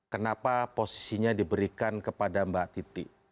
kenapa posisinya diberikan kepada mbak titi